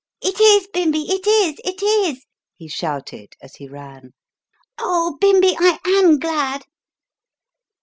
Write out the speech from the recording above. "It is Bimbi it is! it is!" he shouted as he ran. "Oh, Bimbi, I am glad!"